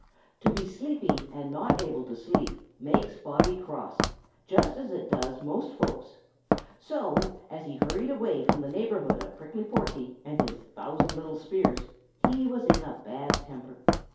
To be sleepy and not able to sleep makes Bobby cross, just as it does most folks. So, as he hurried away from the neighborhood of Prickly Porky and his thousand little spears, he was in a bad temper.